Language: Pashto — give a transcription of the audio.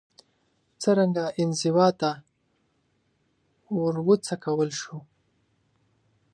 څرنګه انزوا ته وروڅکول شو